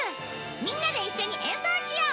みんなで一緒に演奏しよう！